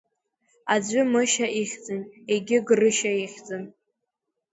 Аӡәы Мышьа ихьӡын, егьи Грышьа ихьӡын.